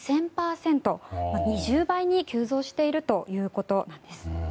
２０倍に急増しているということなんです。